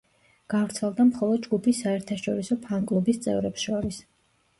გავრცელდა მხოლოდ ჯგუფის საერთაშორისო ფან-კლუბის წევრებს შორის.